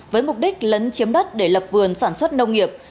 với mục đích lấn chiếm đất để lập vườn sản xuất nông nghiệp